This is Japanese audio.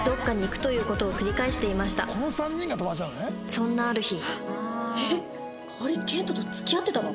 そんなある日